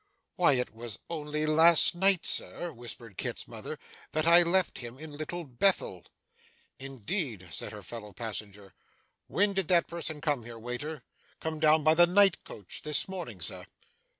'Why it was only last night, sir,' whispered Kit's mother, 'that I left him in Little Bethel.' 'Indeed!' said her fellow passenger. 'When did that person come here, waiter?' 'Come down by the night coach, this morning, sir.